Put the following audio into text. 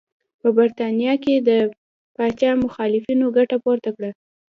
په برېټانیا کې پاچا مخالفینو ګټه پورته کړه.